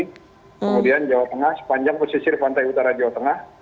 kemudian jawa tengah sepanjang pesisir pantai utara jawa tengah